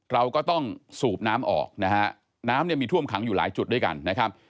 เราก็ต้องสูบน้ำออกนะฮะน้ำเนี่ยมีท่วมขังอยู่หลายจุดด้วยกันนะครับ